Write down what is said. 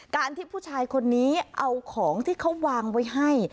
การที่ผู้ชายคนนี้เอาของที่เขาวางไว้ให้